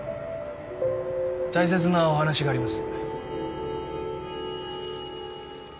大切なお話があります。